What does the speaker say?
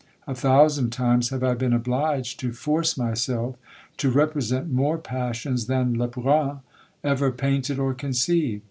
A thousand times have I been obliged to force myself to represent more passions than Le Brun ever painted or conceived.